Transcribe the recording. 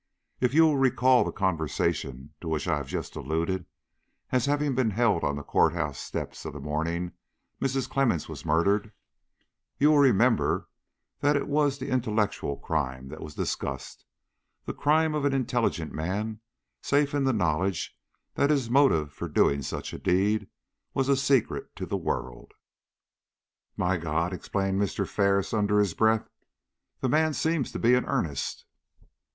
If you will recall the conversation to which I have just alluded as having been held on the court house steps on the morning Mrs. Clemmens was murdered, you will remember that it was the intellectual crime that was discussed the crime of an intelligent man, safe in the knowledge that his motive for doing such a deed was a secret to the world." "My God!" exclaimed Mr. Ferris, under his breath, "the man seems to be in earnest!"